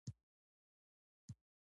صادق اوسئ